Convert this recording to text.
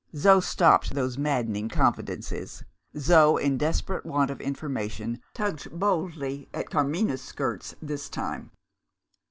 Zo stopped those maddening confidences; Zo, in desperate want of information, tugged boldly at Carmina's skirts this time.